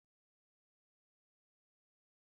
او پۀ سترګو کښې مسکے شو